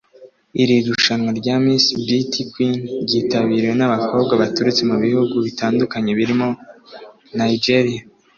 Iri rushanwa rya Miss Beaty Queen ryitabiriwe n’abakobwa baturutse mu bihugu bitandukanye birimo Nigeria